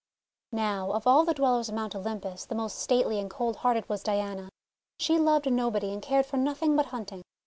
Now of all the Dwellers on Mount Olympus, the most stately and cold hearted was Diana. She loved nobody, and cared for nothing but hunting.